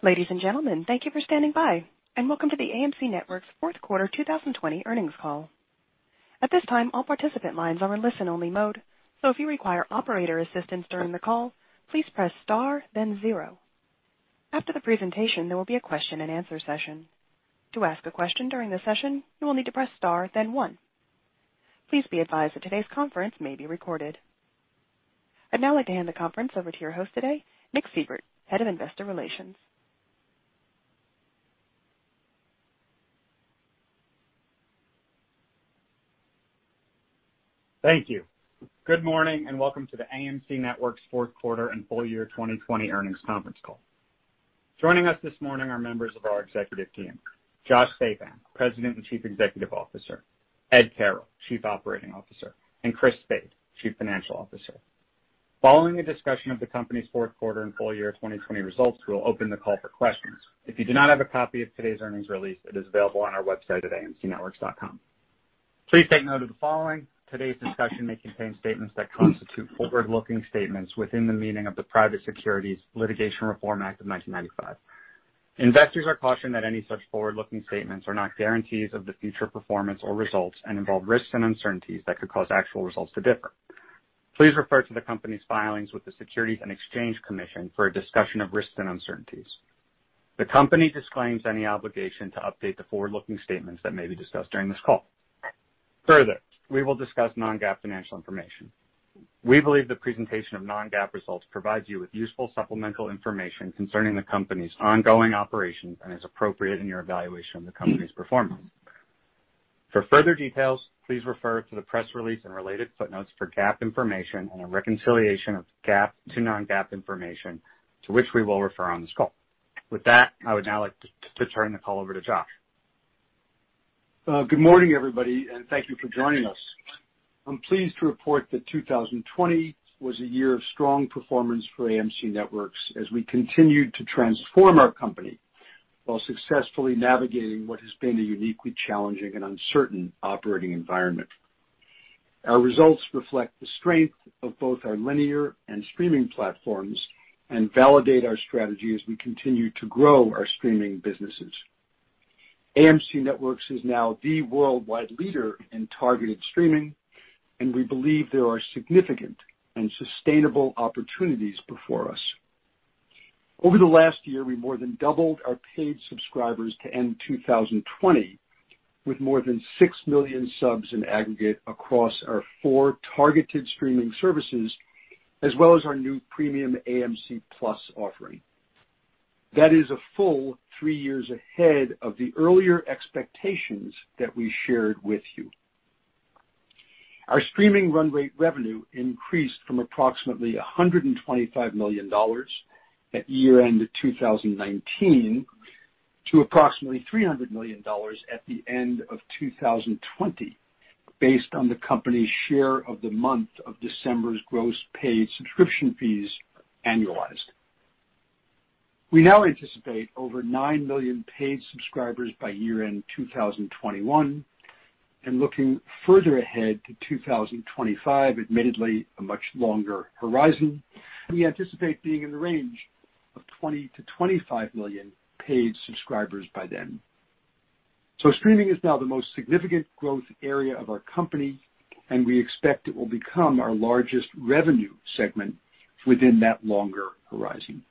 Ladies and gentlemen, thank you for standing by, and welcome to the AMC Networks Fourth Quarter 2020 earnings call. At this time, all participant lines are in listen-only mode, so if you require operator assistance during the call, please press star, then zero. After the presentation, there will be a question-and-answer session. To ask a question during the session, you will need to press star, then one. Please be advised that today's conference may be recorded. I'd now like to hand the conference over to your host today, Nick Seibert, head of investor relations. Thank you. Good morning and welcome to the AMC Networks Fourth Quarter and full year 2020 earnings conference call. Joining us this morning are members of our executive team: Josh Sapan, President and Chief Executive Officer; Ed Carroll, Chief Operating Officer; and Chris Spade, Chief Financial Officer. Following the discussion of the company's Fourth Quarter and full year 2020 results, we will open the call for questions. If you do not have a copy of today's earnings release, it is available on our website at AMCNetworks.com. Please take note of the following: today's discussion may contain statements that constitute forward-looking statements within the meaning of the Private Securities Litigation Reform Act of 1995. Investors are cautioned that any such forward-looking statements are not guarantees of the future performance or results and involve risks and uncertainties that could cause actual results to differ. Please refer to the company's filings with the Securities and Exchange Commission for a discussion of risks and uncertainties. The company disclaims any obligation to update the forward-looking statements that may be discussed during this call. Further, we will discuss non-GAAP financial information. We believe the presentation of non-GAAP results provides you with useful supplemental information concerning the company's ongoing operations and is appropriate in your evaluation of the company's performance. For further details, please refer to the press release and related footnotes for GAAP information and a reconciliation of GAAP to non-GAAP information, to which we will refer on this call. With that, I would now like to turn the call over to Josh. Good morning, everybody, and thank you for joining us. I'm pleased to report that 2020 was a year of strong performance for AMC Networks as we continued to transform our company while successfully navigating what has been a uniquely challenging and uncertain operating environment. Our results reflect the strength of both our linear and streaming platforms and validate our strategy as we continue to grow our streaming businesses. AMC Networks is now the worldwide leader in targeted streaming, and we believe there are significant and sustainable opportunities before us. Over the last year, we more than doubled our paid subscribers to end 2020 with more than six million subs in aggregate across our four targeted streaming services, as well as our new premium AMC+ offering. That is a full three years ahead of the earlier expectations that we shared with you. Our streaming run rate revenue increased from approximately $125 million at year-end 2019 to approximately $300 million at the end of 2020, based on the company's share of the month of December's gross paid subscription fees annualized. We now anticipate over nine million paid subscribers by year-end 2021, and looking further ahead to 2025, admittedly a much longer horizon, we anticipate being in the range of 20-25 million paid subscribers by then. So streaming is now the most significant growth area of our company, and we expect it will become our largest revenue segment within that longer horizon.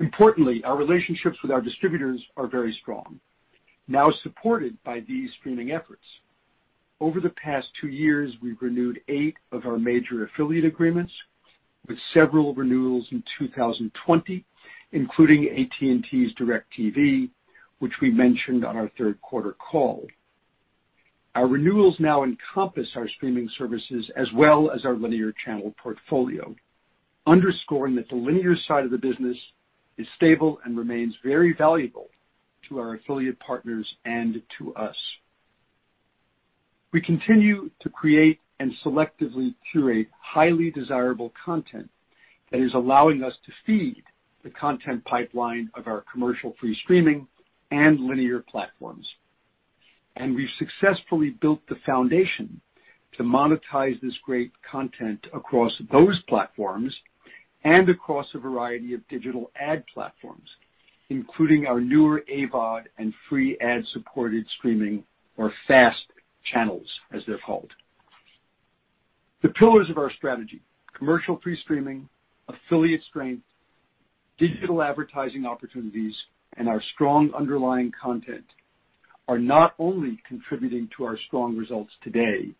Importantly, our relationships with our distributors are very strong, now supported by these streaming efforts. Over the past two years, we've renewed eight of our major affiliate agreements, with several renewals in 2020, including AT&T's DirecTV, which we mentioned on our third quarter call. Our renewals now encompass our streaming services as well as our linear channel portfolio, underscoring that the linear side of the business is stable and remains very valuable to our affiliate partners and to us. We continue to create and selectively curate highly desirable content that is allowing us to feed the content pipeline of our commercial free streaming and linear platforms. And we've successfully built the foundation to monetize this great content across those platforms and across a variety of digital ad platforms, including our newer AVOD and free ad-supported streaming, or FAST channels, as they're called. The pillars of our strategy - Commercial Free Streaming, Affiliate Strength, Digital Advertising Opportunities, and our Strong Underlying Content - are not only contributing to our strong results today.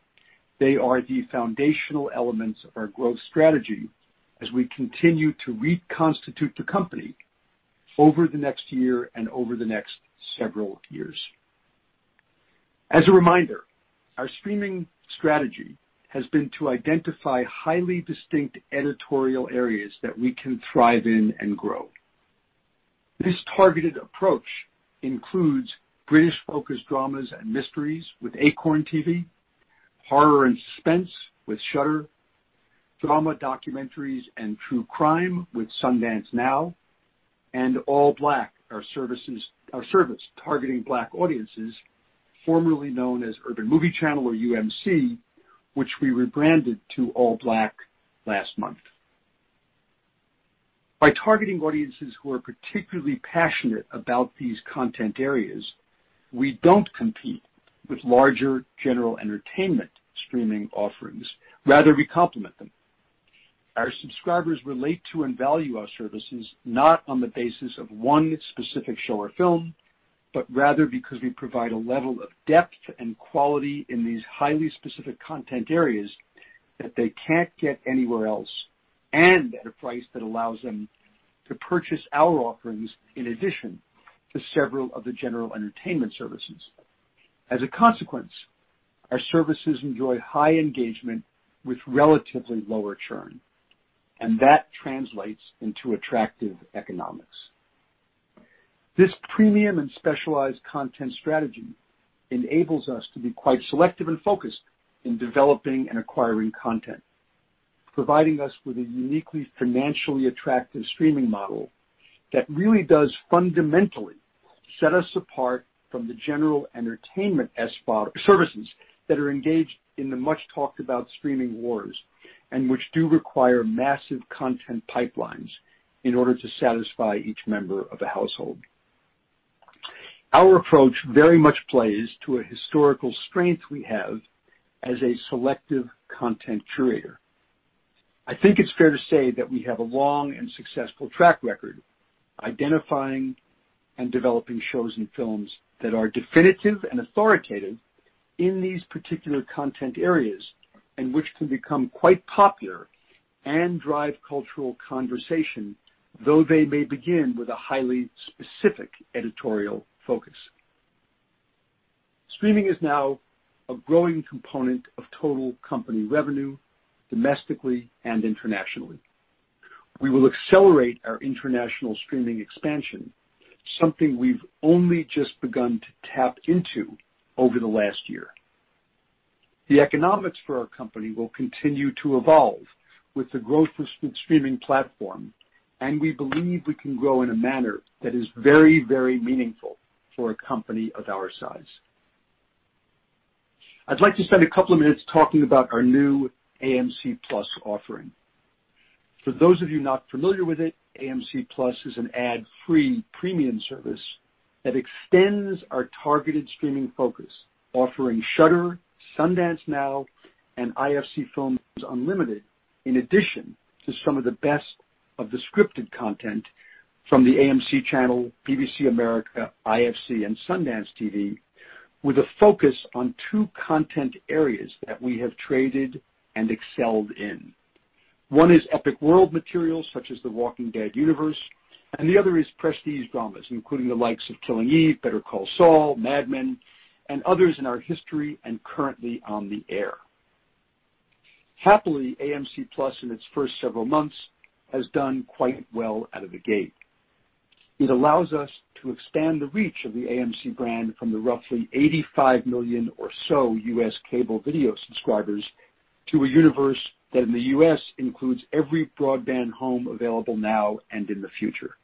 They are the foundational elements of our growth strategy as we continue to reconstitute the company over the next year and over the next several years. As a reminder, our Streaming strategy has been to identify highly distinct editorial areas that we can thrive in and grow. This targeted approach includes British-focused dramas and mysteries with Acorn TV, horror and suspense with Shudder, drama documentaries and true crime with Sundance Now, and ALLBLK, our service targeting Black audiences, formerly known as Urban Movie Channel or UMC, which we rebranded to ALLBLK last month. By targeting audiences who are particularly passionate about these content areas, we don't compete with larger general entertainment streaming offerings. Rather, we complement them. Our subscribers relate to and value our services not on the basis of one specific show or film, but rather because we provide a level of depth and quality in these highly specific content areas that they can't get anywhere else and at a price that allows them to purchase our offerings in addition to several of the general entertainment services. As a consequence, our services enjoy high engagement with relatively lower churn, and that translates into attractive economics. This premium and specialized content strategy enables us to be quite selective and focused in developing and acquiring content, providing us with a uniquely financially attractive streaming model that really does fundamentally set us apart from the general entertainment services that are engaged in the much talked-about streaming wars and which do require massive content pipelines in order to satisfy each member of a household. Our approach very much plays to a historical strength we have as a selective content curator. I think it's fair to say that we have a long and successful track record identifying and developing shows and films that are definitive and authoritative in these particular content areas and which can become quite popular and drive cultural conversation, though they may begin with a highly specific editorial focus. Streaming is now a growing component of total company revenue domestically and internationally. We will accelerate our international streaming expansion, something we've only just begun to tap into over the last year. The economics for our company will continue to evolve with the growth of the streaming platform, and we believe we can grow in a manner that is very, very meaningful for a company of our size. I'd like to spend a couple of minutes talking about our new AMC+ offering. For those of you not familiar with it, AMC+ is an ad-free premium service that extends our targeted streaming focus, offering Shudder, Sundance Now, and IFC Films Unlimited, in addition to some of the best of the scripted content from the AMC Channel, BBC America, IFC, and SundanceTV, with a focus on two content areas that we have traded and excelled in. One is epic world materials such as The Walking Dead Universe, and the other is prestige dramas, including the likes of Killing Eve, Better Call Saul, Mad Men, and others in our history and currently on the air. Happily, AMC+ in its first several months has done quite well out of the gate. It allows us to expand the reach of the AMC brand from the roughly 85 million or so U.S. cable video subscribers to a universe that in the U.S. includes every broadband home available now and in the future,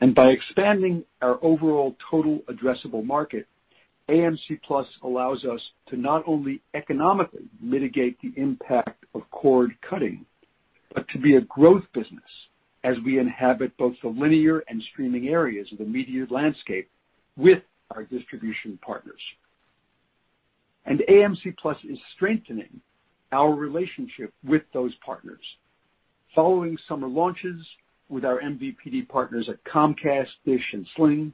and by expanding our overall total addressable market, AMC+ allows us to not only economically mitigate the impact of cord cutting, but to be a growth business as we inhabit both the linear and streaming areas of the media landscape with our distribution partners, and AMC+ is strengthening our relationship with those partners. Following summer launches with our MVPD partners at Comcast, Dish, and Sling,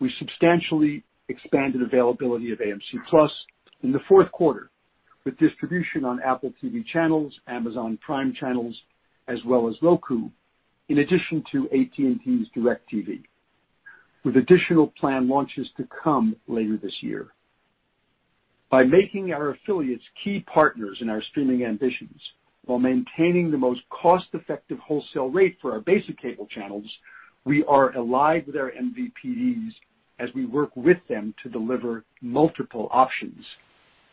we substantially expanded availability of AMC+ in the fourth quarter with distribution on Apple TV channels, Amazon Prime channels, as well as Roku, in addition to AT&T's DirecTV, with additional planned launches to come later this year. By making our affiliates key partners in our streaming ambitions while maintaining the most cost-effective wholesale rate for our basic cable channels, we are allied with our MVPDs as we work with them to deliver multiple options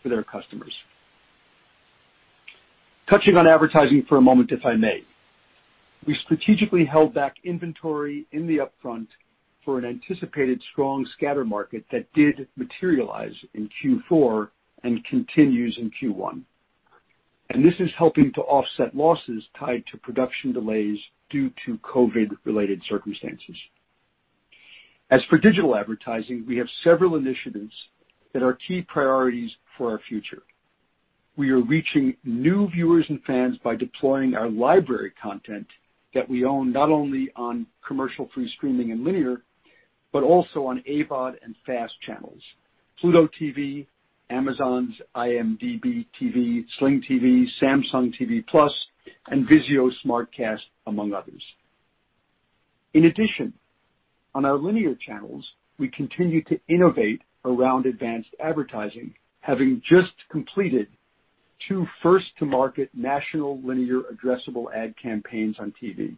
for their customers. Touching on advertising for a moment, if I may. We strategically held back inventory in the upfront for an anticipated strong scatter market that did materialize in Q4 and continues in Q1. And this is helping to offset losses tied to production delays due to COVID-related circumstances. As for digital advertising, we have several initiatives that are key priorities for our future. We are reaching new viewers and fans by deploying our library content that we own not only on commercial free streaming and linear, but also on AVOD and FAST channels, Pluto TV, Amazon's IMDb TV, Sling TV, Samsung TV Plus, and Vizio SmartCast, among others. In addition, on our linear channels, we continue to innovate around advanced advertising, having just completed two first-to-market national linear addressable ad campaigns on TV,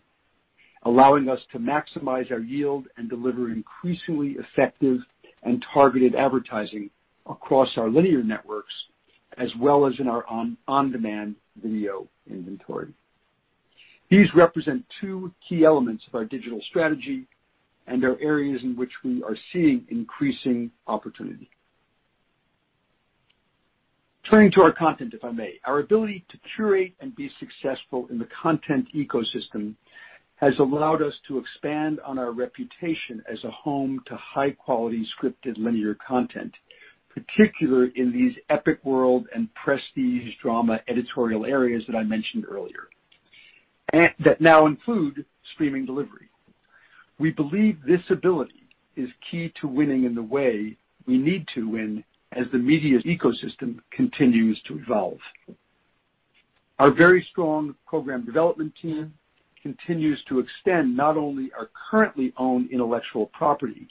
allowing us to maximize our yield and deliver increasingly effective and targeted advertising across our linear networks, as well as in our on-demand video inventory. These represent two key elements of our digital strategy and are areas in which we are seeing increasing opportunity. Turning to our content, if I may, our ability to curate and be successful in the content ecosystem has allowed us to expand on our reputation as a home to high-quality scripted linear content, particularly in these epic world and prestige drama editorial areas that I mentioned earlier, that now include streaming delivery. We believe this ability is key to winning in the way we need to win as the media ecosystem continues to evolve. Our very strong program development team continues to extend not only our currently owned intellectual property,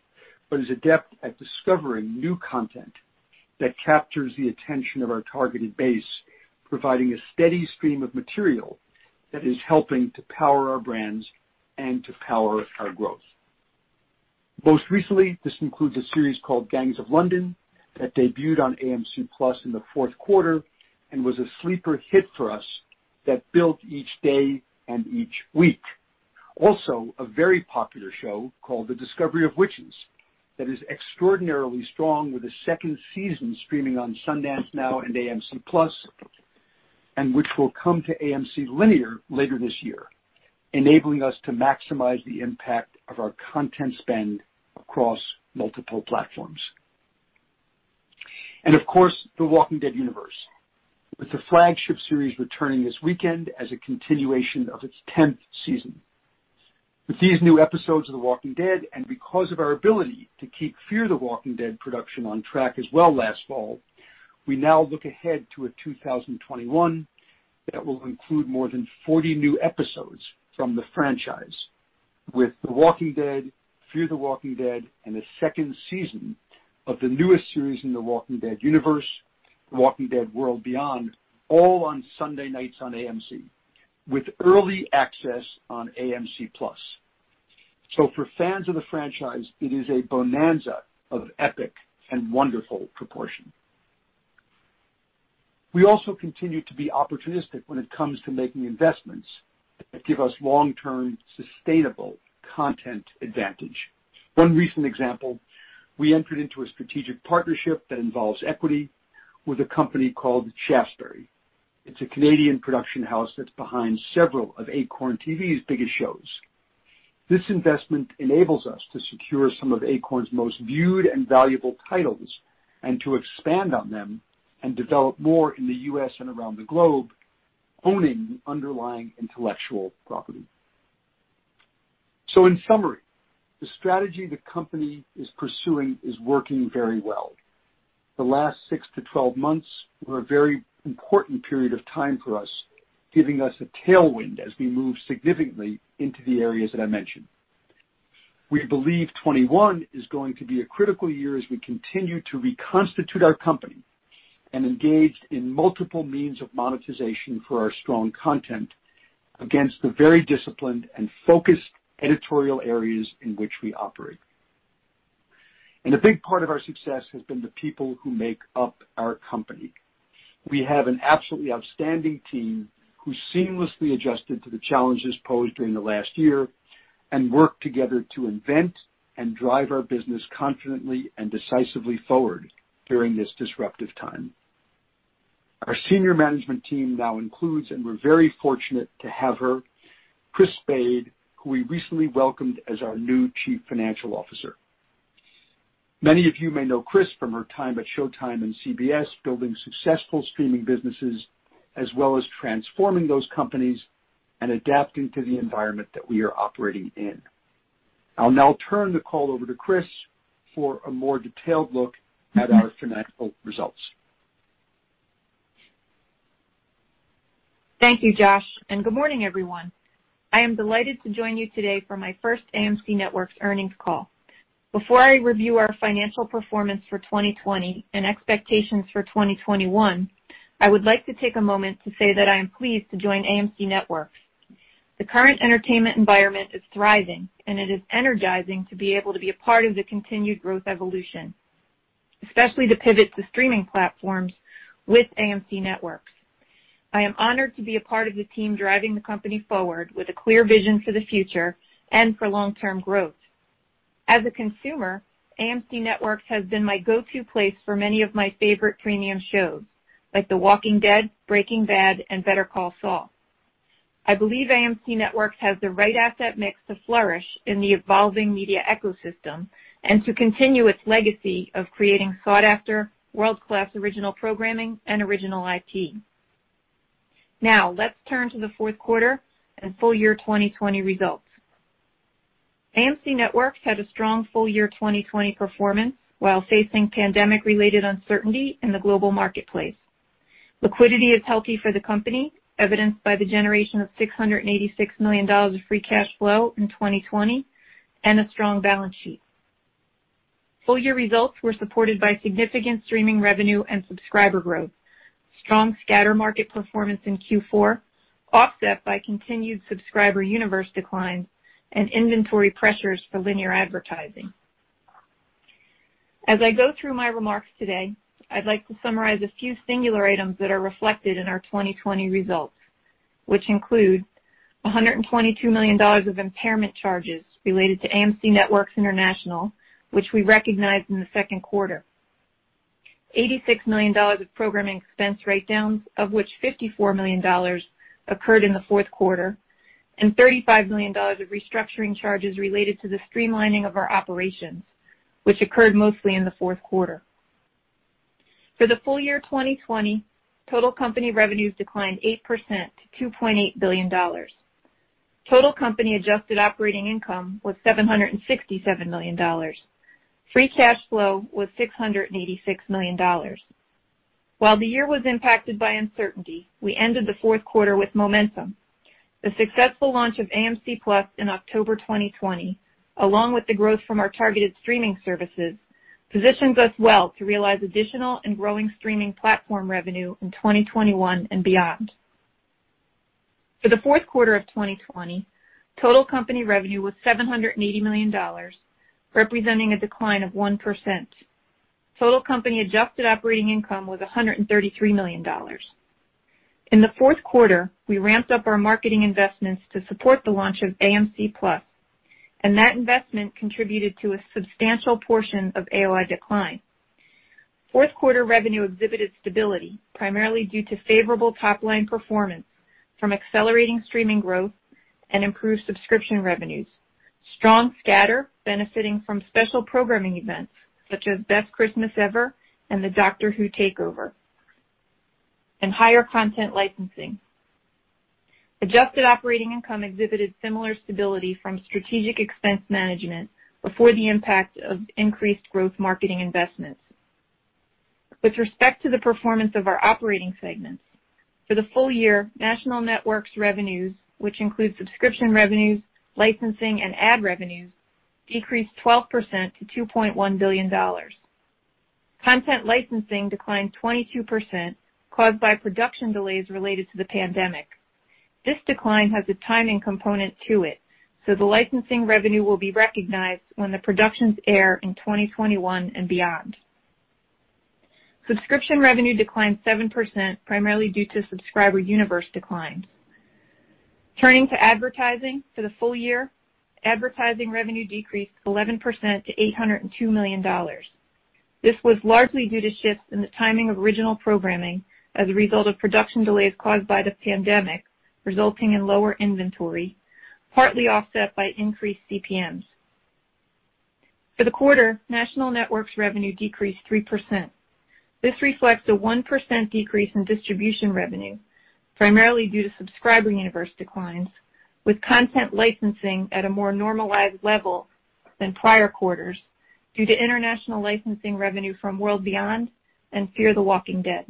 but is adept at discovering new content that captures the attention of our targeted base, providing a steady stream of material that is helping to power our brands and to power our growth. Most recently, this includes a series called Gangs of London that debuted on AMC+ in the fourth quarter and was a sleeper hit for us that built each day and each week. Also, a very popular show called A Discovery of Witches that is extraordinarily strong, with a second season streaming on Sundance Now and AMC+, and which will come to AMC linear later this year, enabling us to maximize the impact of our content spend across multiple platforms. And of course, The Walking Dead Universe, with the flagship series returning this weekend as a continuation of its 10th season. With these new episodes of The Walking Dead, and because of our ability to keep Fear the Walking Dead production on track as well last fall, we now look ahead to a 2021 that will include more than 40 new episodes from the franchise, with The Walking Dead, Fear the Walking Dead, and a second season of the newest series in The Walking Dead Universe, The Walking Dead: World Beyond, all on Sunday nights on AMC, with early access on AMC+. So for fans of the franchise, it is a bonanza of epic and wonderful proportion. We also continue to be opportunistic when it comes to making investments that give us long-term sustainable content advantage. One recent example, we entered into a strategic partnership that involves equity with a company called Shaftesbury. It's a Canadian production house that's behind several of Acorn TV's biggest shows. This investment enables us to secure some of Acorn's most viewed and valuable titles and to expand on them and develop more in the U.S. and around the globe, owning underlying intellectual property. So in summary, the strategy the company is pursuing is working very well. The last six to 12 months were a very important period of time for us, giving us a tailwind as we move significantly into the areas that I mentioned. We believe 2021 is going to be a critical year as we continue to reconstitute our company and engage in multiple means of monetization for our strong content against the very disciplined and focused editorial areas in which we operate. A big part of our success has been the people who make up our company. We have an absolutely outstanding team who seamlessly adjusted to the challenges posed during the last year and worked together to invent and drive our business confidently and decisively forward during this disruptive time. Our senior management team now includes, and we're very fortunate to have her, Chris Spade, who we recently welcomed as our new Chief Financial Officer. Many of you may know Chris from her time at Showtime and CBS, building successful streaming businesses as well as transforming those companies and adapting to the environment that we are operating in. I'll now turn the call over to Chris for a more detailed look at our financial results. Thank you, Josh. Good morning, everyone. I am delighted to join you today for my first AMC Networks earnings call. Before I review our financial performance for 2020 and expectations for 2021, I would like to take a moment to say that I am pleased to join AMC Networks. The current entertainment environment is thriving, and it is energizing to be able to be a part of the continued growth evolution, especially the pivots to streaming platforms with AMC Networks. I am honored to be a part of the team driving the company forward with a clear vision for the future and for long-term growth. As a consumer, AMC Networks has been my go-to place for many of my favorite premium shows, like The Walking Dead, Breaking Bad, and Better Call Saul. I believe AMC Networks has the right asset mix to flourish in the evolving media ecosystem and to continue its legacy of creating sought-after, world-class original programming and original IP. Now, let's turn to the fourth quarter and full year 2020 results. AMC Networks had a strong full year 2020 performance while facing pandemic-related uncertainty in the global marketplace. Liquidity is healthy for the company, evidenced by the generation of $686 million of free cash flow in 2020 and a strong balance sheet. Full year results were supported by significant streaming revenue and subscriber growth, strong scatter market performance in Q4, offset by continued subscriber universe decline, and inventory pressures for linear advertising. As I go through my remarks today, I'd like to summarize a few singular items that are reflected in our 2020 results, which include $122 million of impairment charges related to AMC Networks International, which we recognized in the second quarter, $86 million of programming expense write-downs, of which $54 million occurred in the fourth quarter, and $35 million of restructuring charges related to the streamlining of our operations, which occurred mostly in the fourth quarter. For the full year 2020, total company revenues declined 8% to $2.8 billion. Total company adjusted operating income was $767 million. Free cash flow was $686 million. While the year was impacted by uncertainty, we ended the fourth quarter with momentum. The successful launch of AMC+ in October 2020, along with the growth from our targeted streaming services, positions us well to realize additional and growing streaming platform revenue in 2021 and beyond. For the fourth quarter of 2020, total company revenue was $780 million, representing a decline of 1%. Total company adjusted operating income was $133 million. In the fourth quarter, we ramped up our marketing investments to support the launch of AMC+, and that investment contributed to a substantial portion of AOI decline. Fourth quarter revenue exhibited stability, primarily due to favorable top-line performance from accelerating streaming growth and improved subscription revenues, strong scatter benefiting from special programming events such as Best Christmas Ever and Doctor Who Takeover, and higher content licensing. Adjusted operating income exhibited similar stability from strategic expense management before the impact of increased growth marketing investments. With respect to the performance of our operating segments, for the full year, National Networks revenues, which include subscription revenues, licensing, and ad revenues, decreased 12% to $2.1 billion. Content licensing declined 22%, caused by production delays related to the pandemic. This decline has a timing component to it, so the licensing revenue will be recognized when the productions air in 2021 and beyond. Subscription revenue declined 7%, primarily due to subscriber universe declines. Turning to advertising for the full year, advertising revenue decreased 11% to $802 million. This was largely due to shifts in the timing of original programming as a result of production delays caused by the pandemic, resulting in lower inventory, partly offset by increased CPMs. For the quarter, National Networks revenue decreased 3%. This reflects a 1% decrease in distribution revenue, primarily due to subscriber universe declines, with content licensing at a more normalized level than prior quarters due to international licensing revenue from World Beyond and Fear the Walking Dead.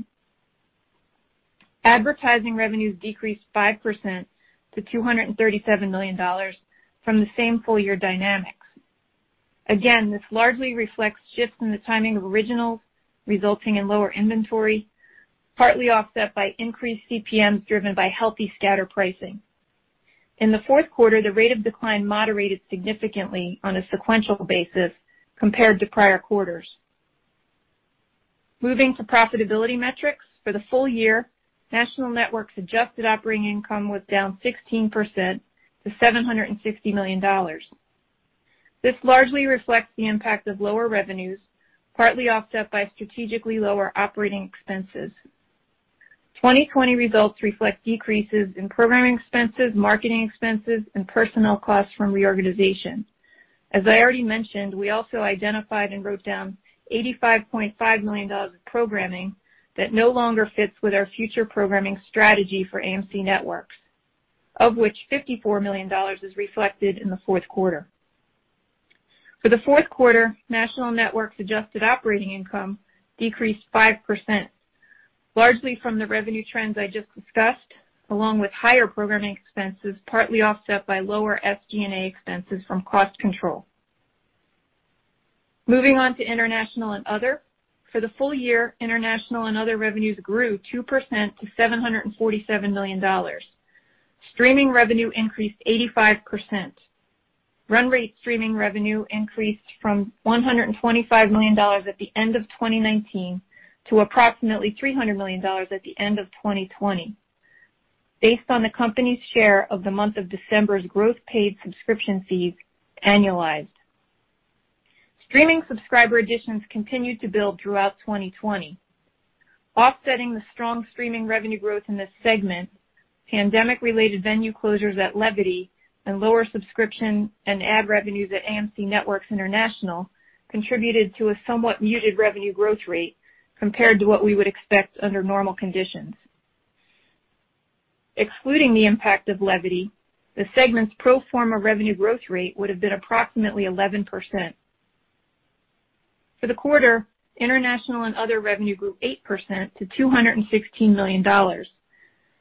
Advertising revenues decreased 5% to $237 million from the same full year dynamics. Again, this largely reflects shifts in the timing of originals, resulting in lower inventory, partly offset by increased CPMs driven by healthy scatter pricing. In the fourth quarter, the rate of decline moderated significantly on a sequential basis compared to prior quarters. Moving to profitability metrics, for the full year, National Networks adjusted operating income was down 16% to $760 million. This largely reflects the impact of lower revenues, partly offset by strategically lower operating expenses. 2020 results reflect decreases in programming expenses, marketing expenses, and personnel costs from reorganization. As I already mentioned, we also identified and wrote down $85.5 million of programming that no longer fits with our future programming strategy for AMC Networks, of which $54 million is reflected in the fourth quarter. For the fourth quarter, National Networks adjusted operating income decreased 5%, largely from the revenue trends I just discussed, along with higher programming expenses, partly offset by lower SG&A expenses from cost control. Moving on to International and Other, for the full year, International and Other revenues grew 2% to $747 million. Streaming revenue increased 85%. Run rate streaming revenue increased from $125 million at the end of 2019 to approximately $300 million at the end of 2020, based on the company's share of the month of December's gross paid subscription fees annualized. Streaming subscriber additions continued to build throughout 2020. Offsetting the strong streaming revenue growth in this segment, pandemic-related venue closures at Levity and lower subscription and ad revenues at AMC Networks International contributed to a somewhat muted revenue growth rate compared to what we would expect under normal conditions. Excluding the impact of Levity, the segment's pro forma revenue growth rate would have been approximately 11%. For the quarter, International and Other revenue grew 8% to $216 million.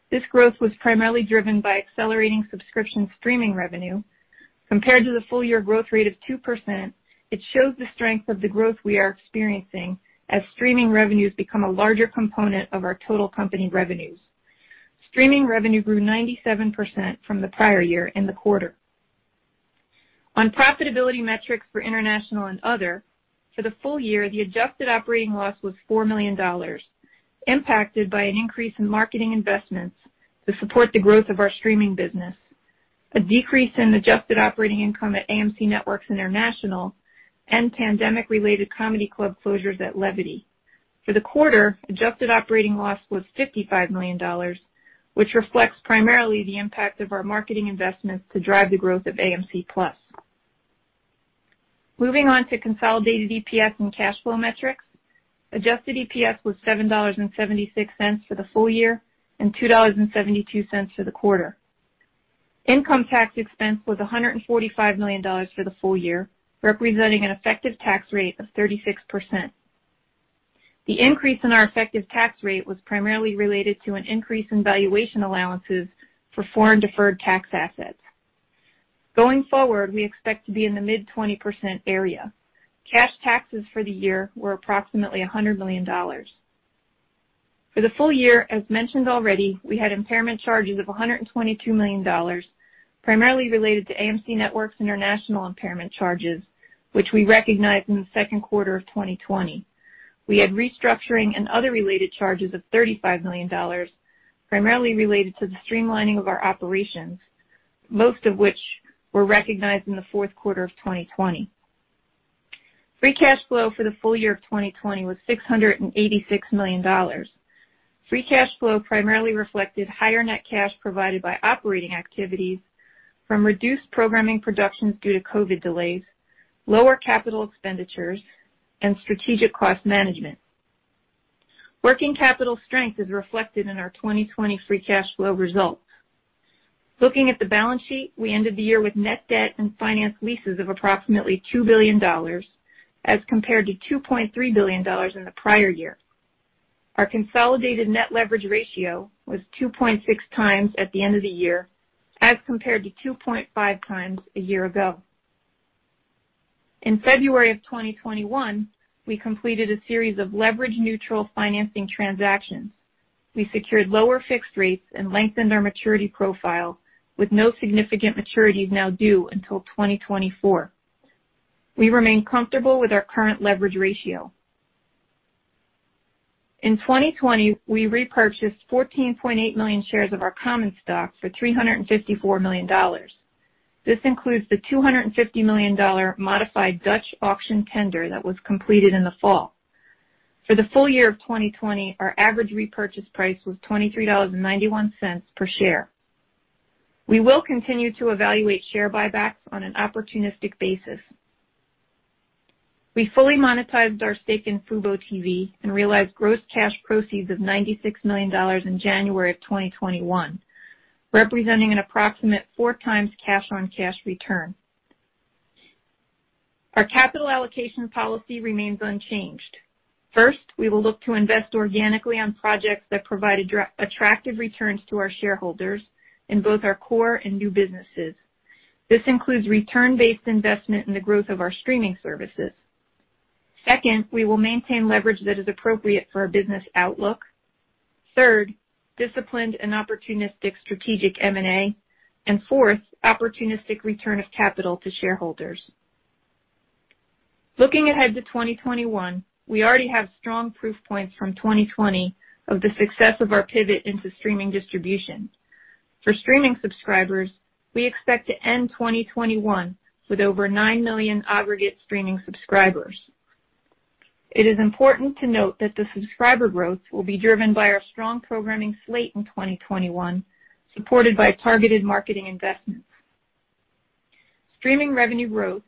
This growth was primarily driven by accelerating subscription streaming revenue. Compared to the full year growth rate of 2%, it shows the strength of the growth we are experiencing as streaming revenues become a larger component of our total company revenues. Streaming revenue grew 97% from the prior year in the quarter. On profitability metrics for International and Other, for the full year, the adjusted operating loss was $4 million, impacted by an increase in marketing investments to support the growth of our streaming business, a decrease in adjusted operating income at AMC Networks International, and pandemic-related comedy club closures at Levity. For the quarter, adjusted operating loss was $55 million, which reflects primarily the impact of our marketing investments to drive the growth of AMC+. Moving on to consolidated EPS and cash flow metrics, adjusted EPS was $7.76 for the full year and $2.72 for the quarter. Income tax expense was $145 million for the full year, representing an effective tax rate of 36%. The increase in our effective tax rate was primarily related to an increase in valuation allowances for foreign deferred tax assets. Going forward, we expect to be in the mid-20% area. Cash taxes for the year were approximately $100 million. For the full year, as mentioned already, we had impairment charges of $122 million, primarily related to AMC Networks International impairment charges, which we recognized in the second quarter of 2020. We had restructuring and other related charges of $35 million, primarily related to the streamlining of our operations, most of which were recognized in the fourth quarter of 2020. Free cash flow for the full year of 2020 was $686 million. Free cash flow primarily reflected higher net cash provided by operating activities from reduced programming productions due to COVID delays, lower capital expenditures, and strategic cost management. Working capital strength is reflected in our 2020 free cash flow results. Looking at the balance sheet, we ended the year with net debt and finance leases of approximately $2 billion, as compared to $2.3 billion in the prior year. Our consolidated net leverage ratio was 2.6 times at the end of the year, as compared to 2.5 times a year ago. In February of 2021, we completed a series of leverage-neutral financing transactions. We secured lower fixed rates and lengthened our maturity profile with no significant maturities now due until 2024. We remain comfortable with our current leverage ratio. In 2020, we repurchased 14.8 million shares of our common stock for $354 million. This includes the $250 million modified Dutch auction tender that was completed in the fall. For the full year of 2020, our average repurchase price was $23.91 per share. We will continue to evaluate share buybacks on an opportunistic basis. We fully monetized our stake in FuboTV and realized gross cash proceeds of $96 million in January of 2021, representing an approximate four-times cash-on-cash return. Our capital allocation policy remains unchanged. First, we will look to invest organically on projects that provide attractive returns to our shareholders in both our core and new businesses. This includes return-based investment in the growth of our streaming services. Second, we will maintain leverage that is appropriate for our business outlook. Third, disciplined and opportunistic strategic M&A. And fourth, opportunistic return of capital to shareholders. Looking ahead to 2021, we already have strong proof points from 2020 of the success of our pivot into streaming distribution. For streaming subscribers, we expect to end 2021 with over nine million aggregate streaming subscribers. It is important to note that the subscriber growth will be driven by our strong programming slate in 2021, supported by targeted marketing investments. Streaming revenue growth,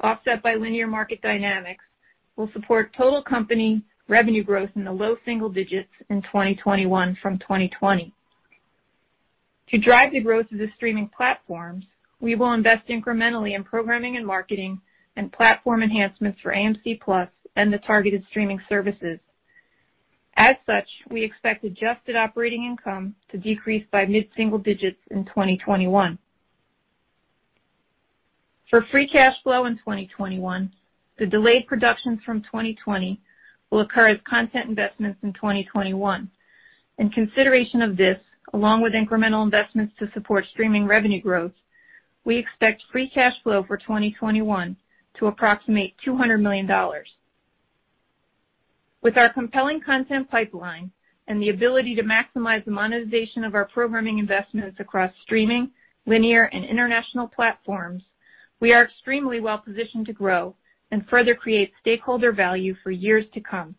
offset by linear market dynamics, will support total company revenue growth in the low single digits in 2021 from 2020. To drive the growth of the streaming platforms, we will invest incrementally in programming and marketing and platform enhancements for AMC+ and the targeted streaming services. As such, we expect adjusted operating income to decrease by mid-single digits in 2021. For free cash flow in 2021, the delayed productions from 2020 will occur as content investments in 2021. In consideration of this, along with incremental investments to support streaming revenue growth, we expect free cash flow for 2021 to approximate $200 million. With our compelling content pipeline and the ability to maximize the monetization of our programming investments across streaming, linear, and international platforms, we are extremely well-positioned to grow and further create stakeholder value for years to come.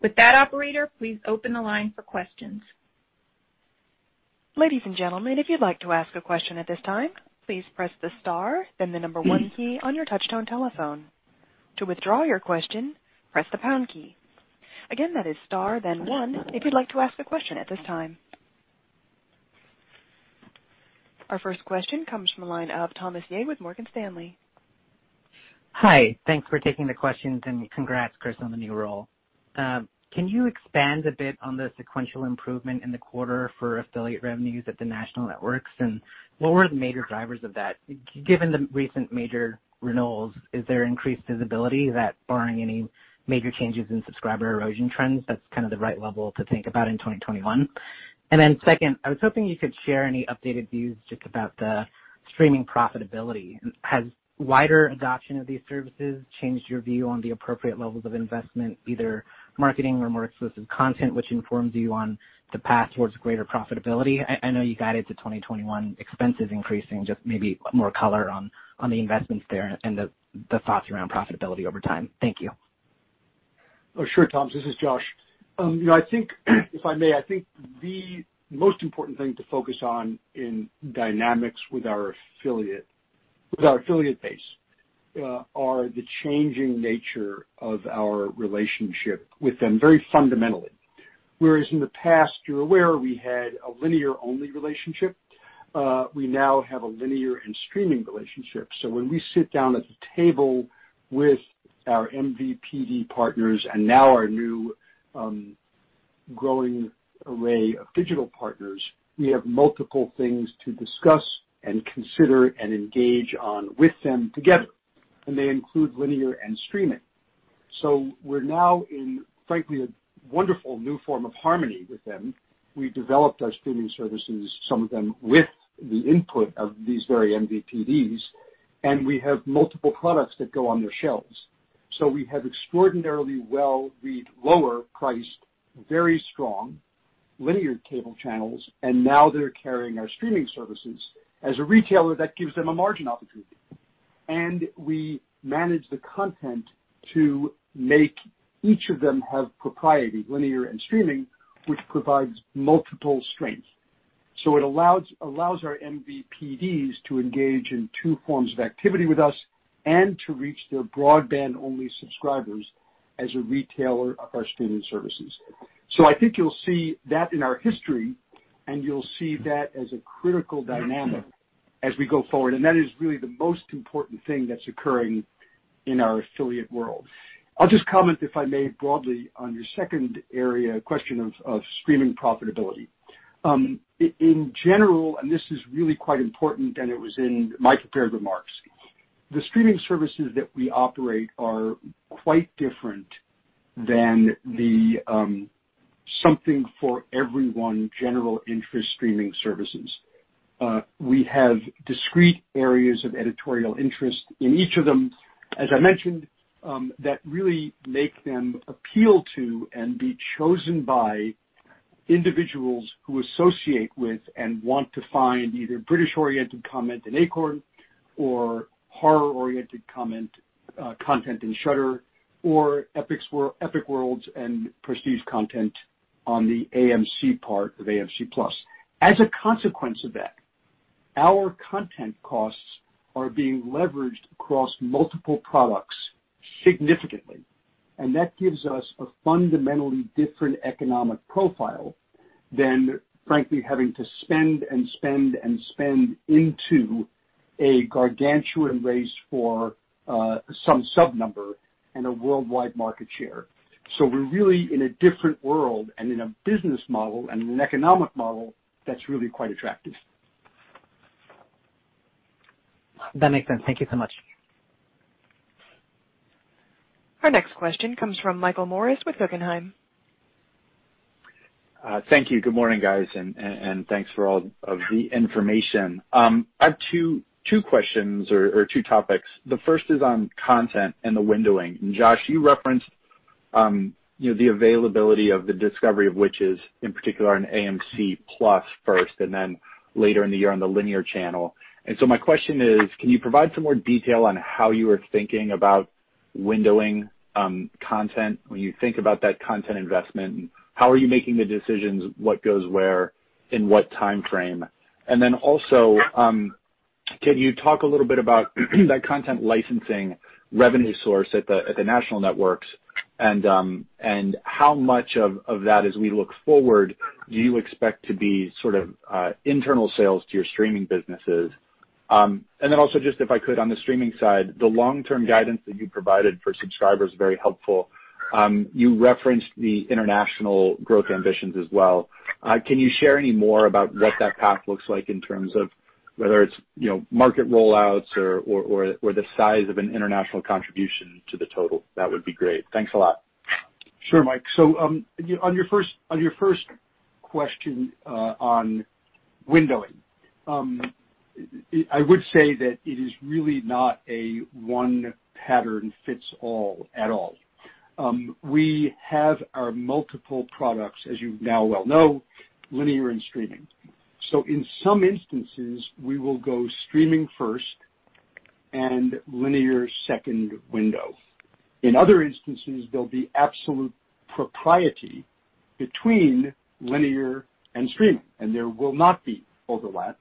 With that, operator, please open the line for questions. Ladies and gentlemen, if you'd like to ask a question at this time, please press the star, then the number one key on your touch-tone telephone. To withdraw your question, press the pound key. Again, that is star, then one, if you'd like to ask a question at this time. Our first question comes from the line of Thomas Yeh with Morgan Stanley. Hi. Thanks for taking the question, and congrats, Chris, on the new role. Can you expand a bit on the sequential improvement in the quarter for affiliate revenues at the National Networks, and what were the major drivers of that? Given the recent major renewals, is there increased visibility, barring any major changes in subscriber erosion trends? That's kind of the right level to think about in 2021, and then second, I was hoping you could share any updated views just about the streaming profitability. Has wider adoption of these services changed your view on the appropriate levels of investment, either marketing or more exclusive content, which informs you on the path towards greater profitability? I know you got into 2021, expenses increasing, just maybe more color on the investments there and the thoughts around profitability over time. Thank you. Sure, Tom. This is Josh. I think, if I may, I think the most important thing to focus on in dynamics with our affiliate base is the changing nature of our relationship with them very fundamentally. Whereas in the past, you're aware, we had a linear-only relationship, we now have a linear and streaming relationship. So when we sit down at the table with our MVPD partners and now our new growing array of digital partners, we have multiple things to discuss and consider and engage on with them together, and they include linear and streaming. We're now in, frankly, a wonderful new form of harmony with them. We developed our streaming services, some of them with the input of these very MVPDs, and we have multiple products that go on their shelves. So we have extraordinarily well-read, lower-priced, very strong linear cable channels, and now they're carrying our streaming services as a retailer that gives them a margin opportunity. And we manage the content to make each of them have proprietary, linear and streaming, which provides multiple strengths. So it allows our MVPDs to engage in two forms of activity with us and to reach their broadband-only subscribers as a retailer of our streaming services. So I think you'll see that in our history, and you'll see that as a critical dynamic as we go forward. And that is really the most important thing that's occurring in our affiliate world. I'll just comment, if I may, broadly on your second area question of streaming profitability. In general, and this is really quite important, and it was in my prepared remarks, the streaming services that we operate are quite different than the something-for-everyone general interest streaming services. We have discrete areas of editorial interest in each of them, as I mentioned, that really make them appeal to and be chosen by individuals who associate with and want to find either British-oriented content in Acorn or horror-oriented content in Shudder or Epic Worlds and prestige content on the AMC part of AMC+. As a consequence of that, our content costs are being leveraged across multiple products significantly. And that gives us a fundamentally different economic profile than, frankly, having to spend and spend and spend into a gargantuan race for some sub-number and a worldwide market share. So we're really in a different world and in a business model and an economic model that's really quite attractive. That makes sense. Thank you so much. Our next question comes from Michael Morris with Guggenheim. Thank you. Good morning, guys, and thanks for all of the information. I have two questions or two topics. The first is on content and the windowing. And Josh, you referenced the availability of A Discovery of Witches, in particular on AMC+ first and then later in the year on the linear channel. And so my question is, can you provide some more detail on how you are thinking about windowing content when you think about that content investment? And how are you making the decisions? What goes where in what time frame? And then also, can you talk a little bit about that content licensing revenue source at the National Networks? And how much of that, as we look forward, do you expect to be sort of internal sales to your streaming businesses? And then also, just if I could, on the streaming side, the long-term guidance that you provided for subscribers is very helpful. You referenced the international growth ambitions as well. Can you share any more about what that path looks like in terms of whether it's market rollouts or the size of an international contribution to the total? That would be great. Thanks a lot. Sure, Mike. So on your first question on windowing, I would say that it is really not a one pattern fits all at all. We have our multiple products, as you now well know, linear and streaming. So in some instances, we will go streaming first and linear second window. In other instances, there'll be absolute parity between linear and streaming, and there will not be overlap,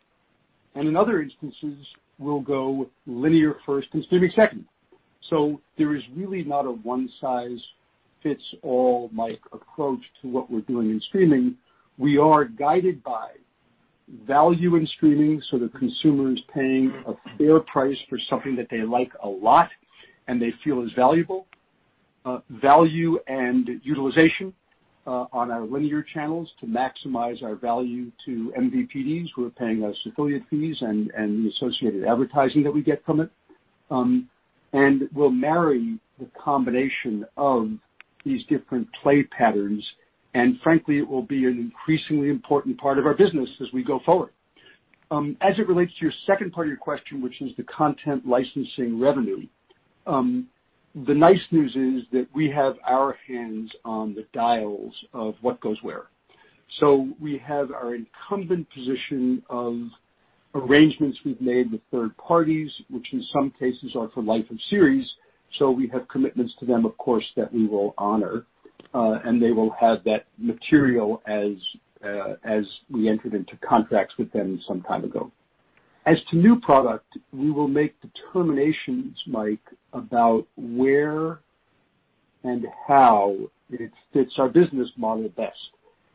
and in other instances, we'll go linear first and streaming second, so there is really not a one-size-fits-all approach to what we're doing in streaming. We are guided by value in streaming, so the consumer is paying a fair price for something that they like a lot and they feel is valuable, value and utilization on our linear channels to maximize our value to MVPDs who are paying us affiliate fees and the associated advertising that we get from it, and we'll marry the combination of these different play patterns, and frankly, it will be an increasingly important part of our business as we go forward. As it relates to your second part of your question, which is the content licensing revenue, the nice news is that we have our hands on the dials of what goes where. So we have our incumbent position of arrangements we've made with third parties, which in some cases are for life of series. So we have commitments to them, of course, that we will honor, and they will have that material as we entered into contracts with them some time ago. As to new product, we will make determinations, Mike, about where and how it fits our business model best.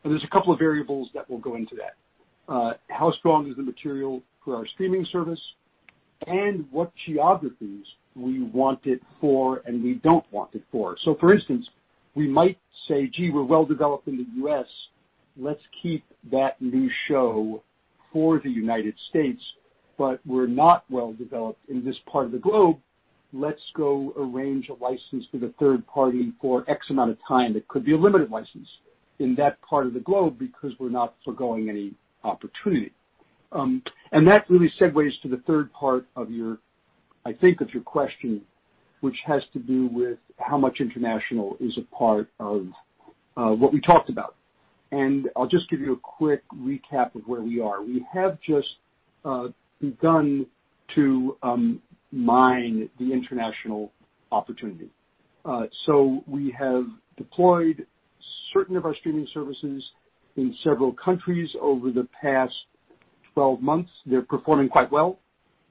And there's a couple of variables that will go into that. How strong is the material for our streaming service and what geographies we want it for and we don't want it for? So for instance, we might say, "Gee, we're well developed in the US. Let's keep that new show for the United States, but we're not well developed in this part of the globe. Let's go arrange a license for the third party for X amount of time. It could be a limited license in that part of the globe because we're not forgoing any opportunity, and that really segues to the third part of your, I think, of your question, which has to do with how much international is a part of what we talked about, and I'll just give you a quick recap of where we are. We have just begun to mine the international opportunity, so we have deployed certain of our streaming services in several countries over the past 12 months. They're performing quite well,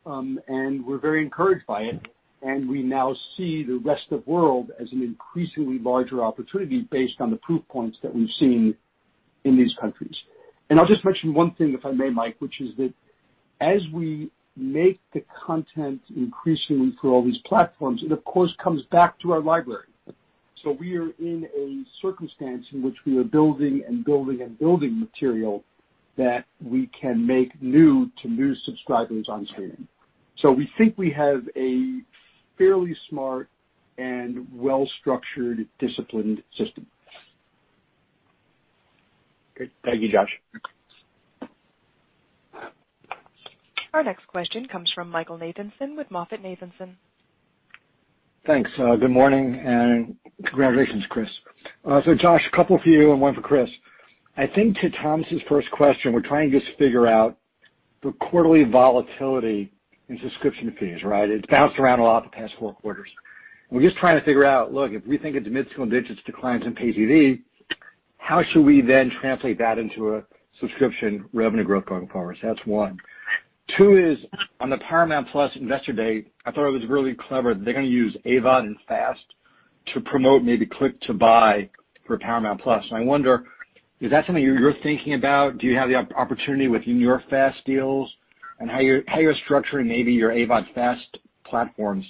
and we're very encouraged by it. And we now see the rest of the world as an increasingly larger opportunity based on the proof points that we've seen in these countries. And I'll just mention one thing, if I may, Mike, which is that as we make the content increasingly for all these platforms, it, of course, comes back to our library. So we are in a circumstance in which we are building and building and building material that we can make new to new subscribers on streaming. So we think we have a fairly smart and well-structured, disciplined system. Great. Thank you, Josh. Our next question comes from Michael Nathanson with MoffettNathanson. Thanks. Good morning and congratulations, Chris. So Josh, a couple for you and one for Chris. I think to Thomas' first question, we're trying to just figure out the quarterly volatility in subscription fees, right? It's bounced around a lot the past four quarters. We're just trying to figure out, look, if we think it's mid-single digits declines in Pay TV, how should we then translate that into a subscription revenue growth going forward? So that's one. Two is on the Paramount+ investor day, I thought it was really clever that they're going to use AVOD and FAST to promote maybe click-to-buy for Paramount+. And I wonder, is that something you're thinking about? Do you have the opportunity within your FAST deals and how you're structuring maybe your AVOD FAST platforms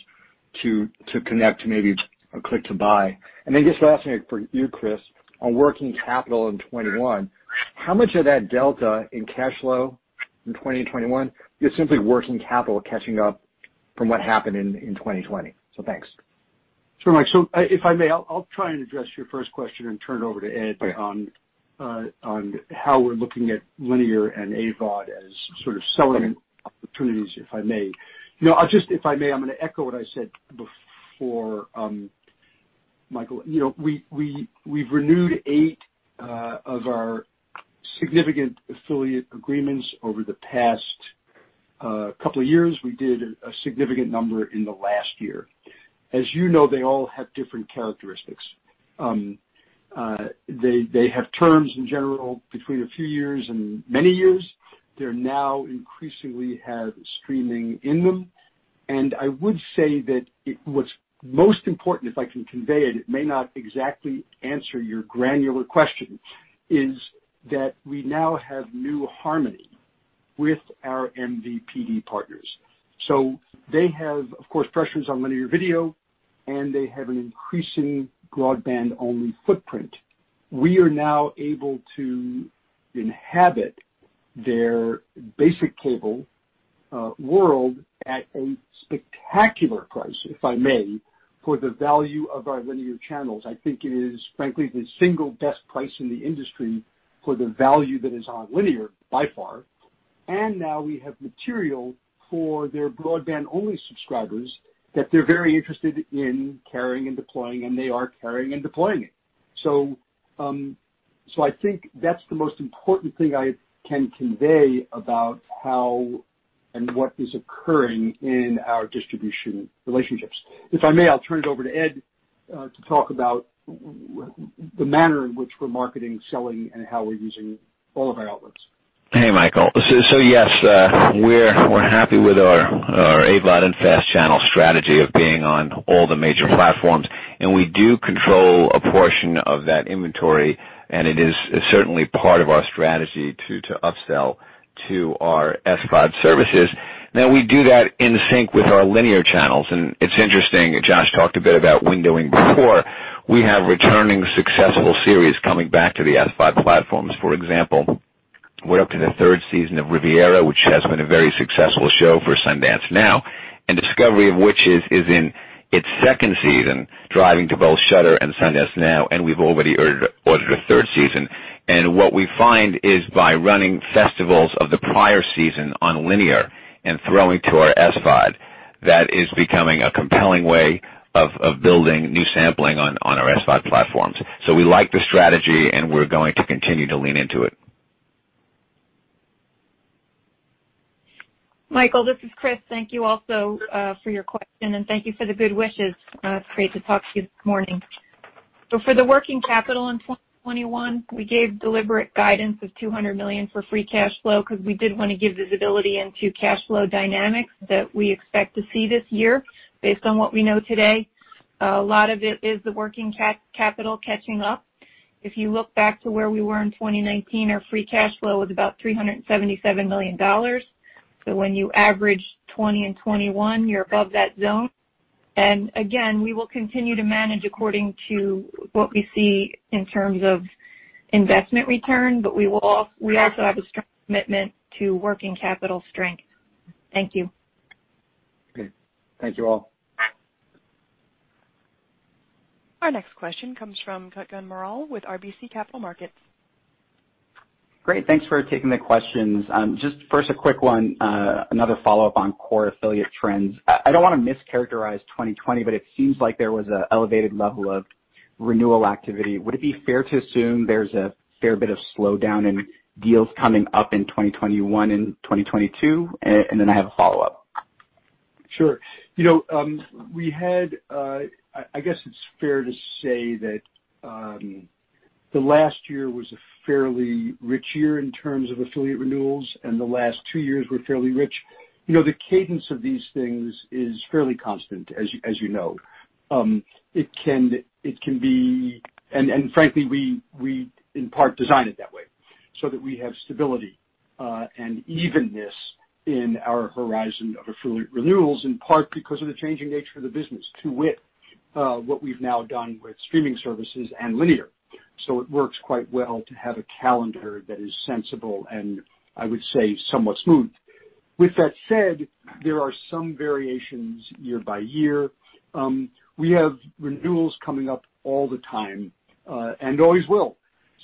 to connect to maybe a click-to-buy? And then just lastly, for you, Chris, on working capital in 2021, how much of that delta in cash flow in 2021 is simply working capital catching up from what happened in 2020? So thanks. Sure, Mike. So if I may, I'll try and address your first question and turn it over to Ed on how we're looking at linear and AVOD as sort of selling opportunities, if I may. If I may, I'm going to echo what I said before, Michael. We've renewed eight of our significant affiliate agreements over the past couple of years. We did a significant number in the last year. As you know, they all have different characteristics. They have terms in general between a few years and many years. They now increasingly have streaming in them. And I would say that what's most important, if I can convey it, it may not exactly answer your granular question, is that we now have new harmony with our MVPD partners. So they have, of course, pressures on linear video, and they have an increasing broadband-only footprint. We are now able to inhabit their basic cable world at a spectacular price, if I may, for the value of our linear channels. I think it is, frankly, the single best price in the industry for the value that is on linear by far. And now we have material for their broadband-only subscribers that they're very interested in carrying and deploying, and they are carrying and deploying it. So I think that's the most important thing I can convey about how and what is occurring in our distribution relationships. If I may, I'll turn it over to Ed to talk about the manner in which we're marketing, selling, and how we're using all of our outlets. Hey, Michael. So yes, we're happy with our AVOD and FAST channel strategy of being on all the major platforms. We do control a portion of that inventory, and it is certainly part of our strategy to upsell to our SVOD services. Now, we do that in sync with our linear channels. And it's interesting, Josh talked a bit about windowing before. We have returning successful series coming back to the SVOD platforms. For example, we're up to the third season of Riviera, which has been a very successful show for Sundance Now, and Discovery of Witches is in its second season driving to both Shudder and Sundance Now, and we've already ordered a third season. And what we find is by running festivals of the prior season on linear and throwing to our SVOD, that is becoming a compelling way of building new sampling on our SVOD platforms. So we like the strategy, and we're going to continue to lean into it. Michael, this is Chris. Thank you also for your question, and thank you for the good wishes. It's great to talk to you this morning. So for the working capital in 2021, we gave deliberate guidance of $200 million for free cash flow because we did want to give visibility into cash flow dynamics that we expect to see this year based on what we know today. A lot of it is the working capital catching up. If you look back to where we were in 2019, our free cash flow was about $377 million. So when you average 2020 and 2021, you're above that zone. And again, we will continue to manage according to what we see in terms of investment return, but we also have a strong commitment to working capital strength. Thank you. Okay. Thank you all. Our next question comes from Kutgun Maral with RBC Capital Markets. Great. Thanks for taking the questions. Just first, a quick one, another follow-up on core affiliate trends. I don't want to mischaracterize 2020, but it seems like there was an elevated level of renewal activity. Would it be fair to assume there's a fair bit of slowdown in deals coming up in 2021 and 2022? And then I have a follow-up. Sure. We had, I guess it's fair to say that the last year was a fairly rich year in terms of affiliate renewals, and the last two years were fairly rich. The cadence of these things is fairly constant, as you know. It can be, and frankly, we in part design it that way so that we have stability and evenness in our horizon of affiliate renewals, in part because of the changing nature of the business to what we've now done with streaming services and linear. So it works quite well to have a calendar that is sensible and, I would say, somewhat smooth. With that said, there are some variations year by year. We have renewals coming up all the time and always will.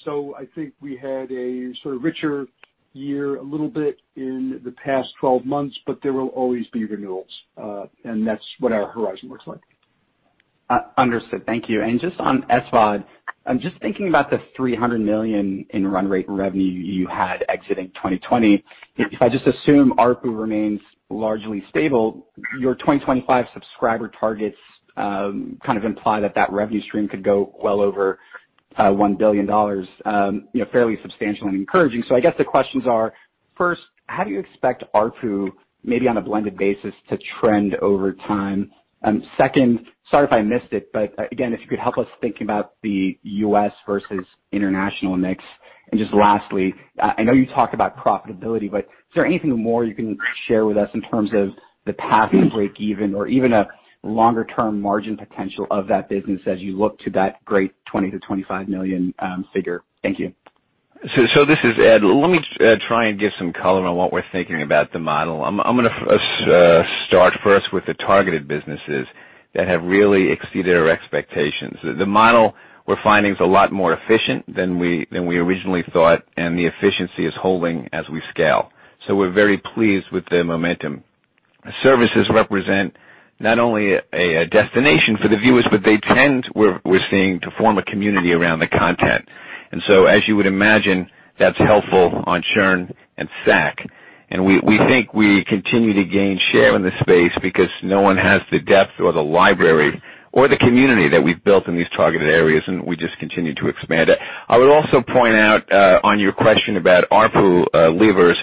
So I think we had a sort of richer year a little bit in the past 12 months, but there will always be renewals, and that's what our horizon looks like. Understood. Thank you. And just on SVOD, I'm just thinking about the $300 million in run rate revenue you had exiting 2020. If I just assume ARPU remains largely stable, your 2025 subscriber targets kind of imply that that revenue stream could go well over $1 billion, fairly substantial and encouraging. So I guess the questions are, first, how do you expect ARPU, maybe on a blended basis, to trend over time? Second, sorry if I missed it, but again, if you could help us think about the U.S. versus international mix. And just lastly, I know you talked about profitability, but is there anything more you can share with us in terms of the path to breakeven or even a longer-term margin potential of that business as you look to that great 20-25 million figure? Thank you. So this is Ed. Let me try and give some color on what we're thinking about the model. I'm going to start first with the targeted businesses that have really exceeded our expectations. The model we're finding is a lot more efficient than we originally thought, and the efficiency is holding as we scale. So we're very pleased with the momentum. Services represent not only a destination for the viewers, but they tend, we're seeing, to form a community around the content. And so as you would imagine, that's helpful on churn and SAC. And we think we continue to gain share in the space because no one has the depth or the library or the community that we've built in these targeted areas, and we just continue to expand it. I would also point out on your question about ARPU levers,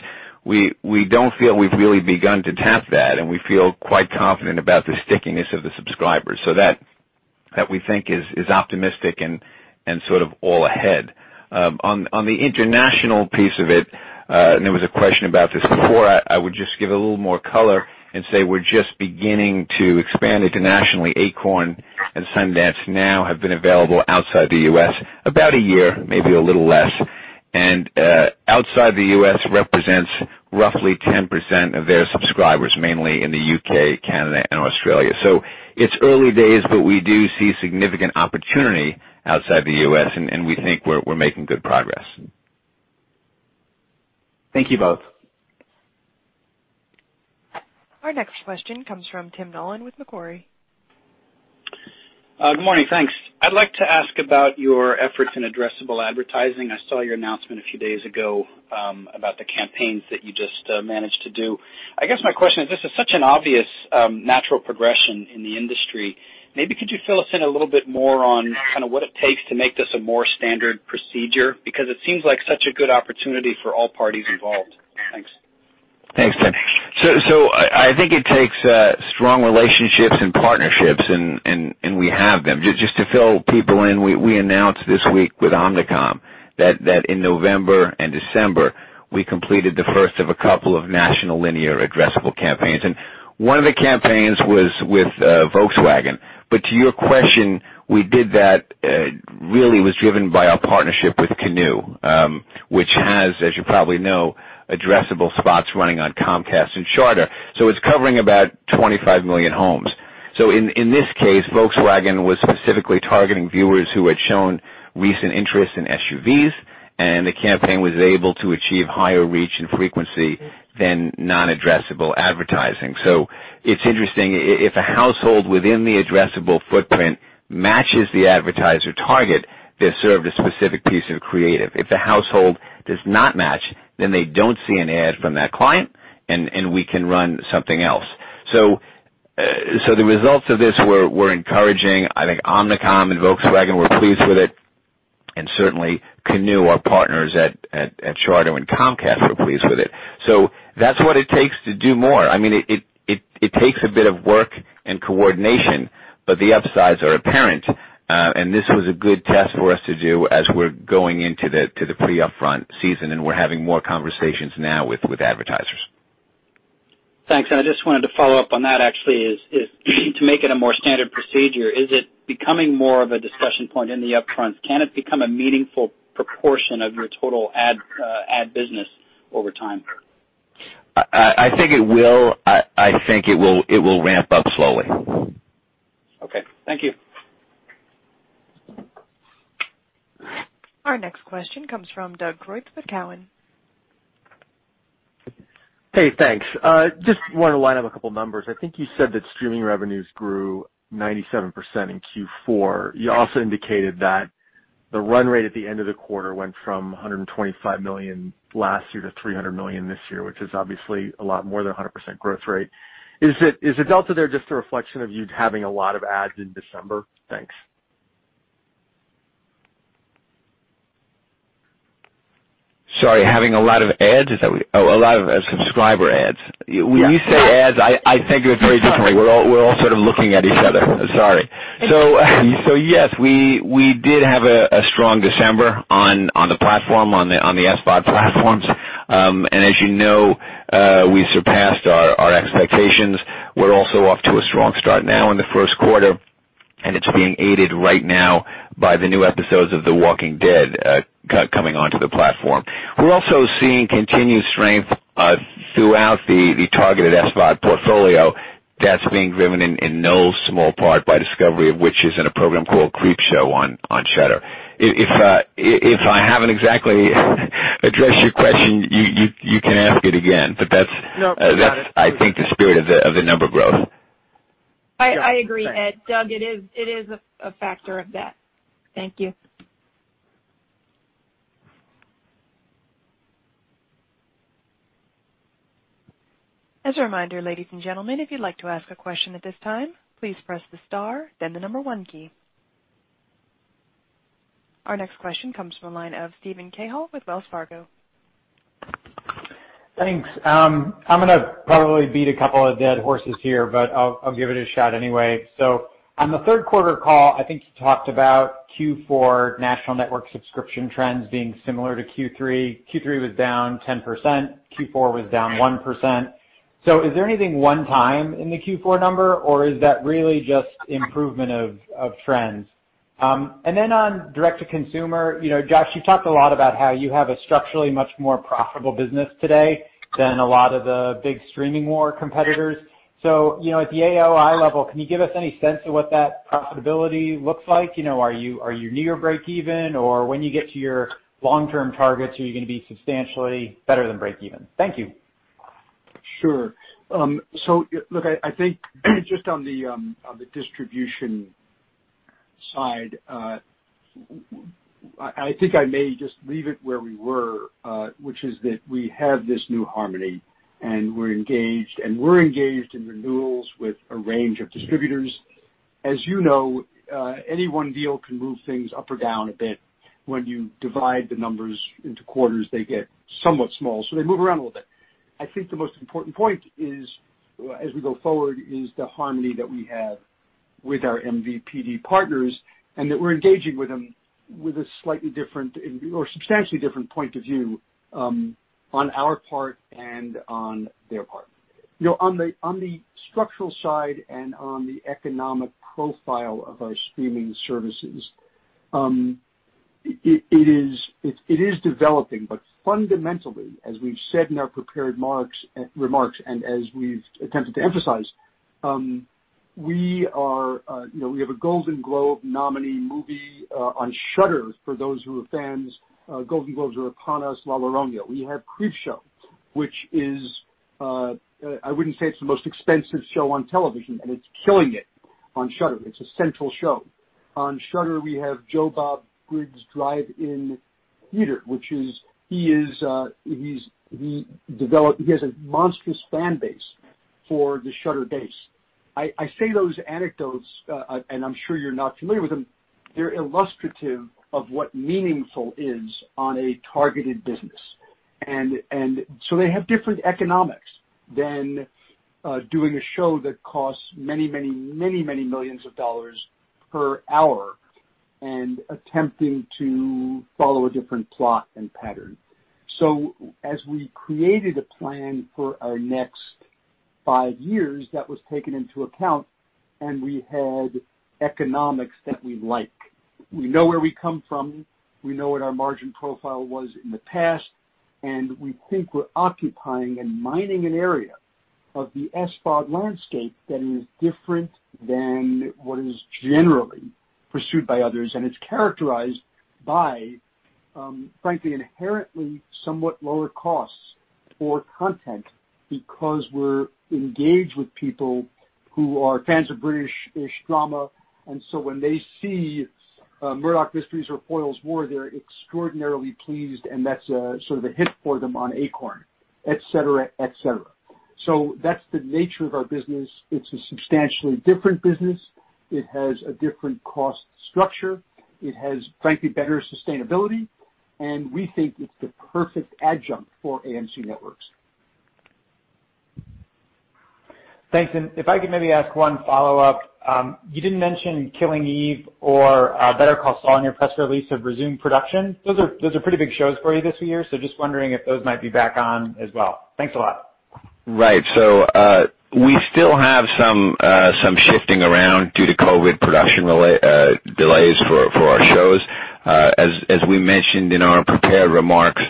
we don't feel we've really begun to tap that, and we feel quite confident about the stickiness of the subscribers. So that we think is optimistic and sort of all ahead. On the international piece of it, and there was a question about this before, I would just give a little more color and say we're just beginning to expand internationally. Acorn and Sundance Now have been available outside the U.S. about a year, maybe a little less. Outside the U.S. represents roughly 10% of their subscribers, mainly in the U.K., Canada, and Australia. It's early days, but we do see significant opportunity outside the U.S., and we think we're making good progress. Thank you both. Our next question comes from Tim Nollen with Macquarie. Good morning. Thanks. I'd like to ask about your efforts in addressable advertising. I saw your announcement a few days ago about the campaigns that you just managed to do. I guess my question is, this is such an obvious natural progression in the industry. Maybe could you fill us in a little bit more on kind of what it takes to make this a more standard procedure? Because it seems like such a good opportunity for all parties involved. Thanks. Thanks, Tim. I think it takes strong relationships and partnerships, and we have them. Just to fill people in, we announced this week with Omnicom that in November and December, we completed the first of a couple of national linear addressable campaigns, and one of the campaigns was with Volkswagen, but to your question, we did that really was driven by our partnership with Canoe, which has, as you probably know, addressable spots running on Comcast and Charter, so it's covering about 25 million homes, so in this case, Volkswagen was specifically targeting viewers who had shown recent interest in SUVs, and the campaign was able to achieve higher reach and frequency than non-addressable advertising, so it's interesting if a household within the addressable footprint matches the advertiser target, they've served a specific piece of creative. If the household does not match, then they don't see an ad from that client, and we can run something else, so the results of this were encouraging. I think Omnicom and Volkswagen were pleased with it, and certainly Canoe, our partners at Charter and Comcast, were pleased with it. So that's what it takes to do more. I mean, it takes a bit of work and coordination, but the upsides are apparent. And this was a good test for us to do as we're going into the pre-upfront season, and we're having more conversations now with advertisers. Thanks. And I just wanted to follow up on that, actually, is to make it a more standard procedure. Is it becoming more of a discussion point in the upfront? Can it become a meaningful proportion of your total ad business over time? I think it will. I think it will ramp up slowly. Okay. Thank you. Our next question comes from Doug Creutz with Cowen. Hey, thanks. Just want to line up a couple of numbers. I think you said that streaming revenues grew 97% in Q4. You also indicated that the run rate at the end of the quarter went from $125 million last year to $300 million this year, which is obviously a lot more than 100% growth rate. Is the delta there just a reflection of you having a lot of adds in December? Thanks. Sorry, having a lot of adds? Is that what you? Oh, a lot of subscriber adds. When you say adds, I think of it very differently. We're all sort of looking at each other. Sorry. So yes, we did have a strong December on the platform, on the SVOD platforms. And as you know, we surpassed our expectations. We're also off to a strong start now in the first quarter, and it's being aided right now by the new episodes of The Walking Dead coming onto the platform. We're also seeing continued strength throughout the targeted SVOD portfolio. That's being driven in no small part by A Discovery of Witches and a program called Creepshow on Shudder. If I haven't exactly addressed your question, you can ask it again, but that's, I think, the spirit of the number growth. I agree, Ed. Doug, it is a factor of that. Thank you. As a reminder, ladies and gentlemen, if you'd like to ask a question at this time, please press the star, then the number one key. Our next question comes from a line of Steven Cahall with Wells Fargo. Thanks. I'm going to probably beat a couple of dead horses here, but I'll give it a shot anyway. So on the third quarter call, I think you talked about Q4 national network subscription trends being similar to Q3. Q3 was down 10%. Q4 was down 1%. So is there anything one-time in the Q4 number, or is that really just improvement of trends? And then on direct-to-consumer, Josh, you talked a lot about how you have a structurally much more profitable business today than a lot of the big streaming war competitors. So at the AOI level, can you give us any sense of what that profitability looks like? Are you near breakeven, or when you get to your long-term targets, are you going to be substantially better than breakeven? Thank you. Sure. So look, I think just on the distribution side, I think I may just leave it where we were, which is that we have this new harmony, and we're engaged, and we're engaged in renewals with a range of distributors. As you know, any one deal can move things up or down a bit. When you divide the numbers into quarters, they get somewhat small, so they move around a little bit. I think the most important point as we go forward is the harmony that we have with our MVPD partners and that we're engaging with them with a slightly different or substantially different point of view on our part and on their part. On the structural side and on the economic profile of our streaming services, it is developing, but fundamentally, as we've said in our prepared remarks and as we've attempted to emphasize, we have a Golden Globe nominee movie on Shudder for those who are fans. Golden Globes are upon us, La Llorona. We have Creepshow, which is, I wouldn't say it's the most expensive show on television, and it's killing it on Shudder. It's a central show. On Shudder, we have Joe Bob Briggs' Drive-In Theater, which is he has a monstrous fan base for the Shudder base. I say those anecdotes, and I'm sure you're not familiar with them. They're illustrative of what meaningful is on a targeted business, and so they have different economics than doing a show that costs many, many, many, many millions of dollars per hour and attempting to follow a different plot and pattern, so as we created a plan for our next five years, that was taken into account, and we had economics that we like. We know where we come from. We know what our margin profile was in the past, and we think we're occupying and mining an area of the SVOD landscape that is different than what is generally pursued by others. It's characterized by, frankly, inherently somewhat lower costs for content because we're engaged with people who are fans of British-ish drama. And so when they see Murdoch Mysteries or Foyle's War, they're extraordinarily pleased, and that's sort of a hit for them on Acorn, etc., etc. So that's the nature of our business. It's a substantially different business. It has a different cost structure. It has, frankly, better sustainability, and we think it's the perfect adjunct for AMC Networks. Thanks. If I could maybe ask one follow-up, you didn't mention Killing Eve or Better Call Saul in your press release have resumed production. Those are pretty big shows for you this year, so just wondering if those might be back on as well. Thanks a lot. Right. We still have some shifting around due to COVID production delays for our shows. As we mentioned in our prepared remarks,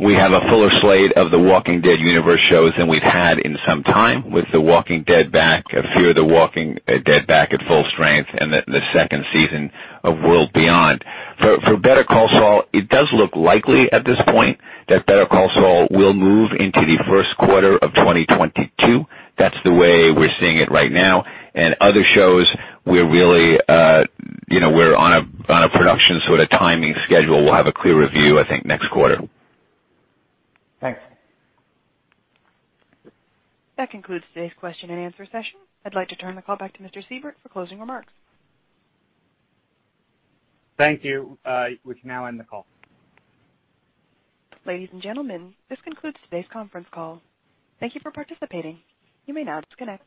we have a fuller slate of The Walking Dead Universe shows than we've had in some time with The Walking Dead back, Fear the Walking Dead back at full strength, and the second season of World Beyond. For Better Call Saul, it does look likely at this point that Better Call Saul will move into the first quarter of 2022. That's the way we're seeing it right now. And other shows, we're really on a production sort of timing schedule. We'll have a clear review, I think, next quarter. Thanks. That concludes today's question and answer session. I'd like to turn the call back to Mr. Seibert for closing remarks. Thank you. We can now end the call. Ladies and gentlemen, this concludes today's conference call. Thank you for participating. You may now disconnect.